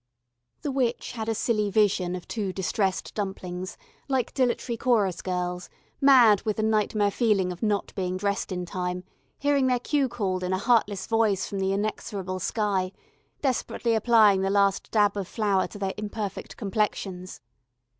The witch had a silly vision of two distressed dumplings, like dilatory chorus girls, mad with the nightmare feeling of not being dressed in time, hearing their cue called in a heartless voice from the inexorable sky, desperately applying the last dab of flour to their imperfect complexions.